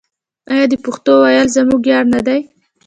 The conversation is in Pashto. آیا د پښتو ویل زموږ ویاړ نه دی؟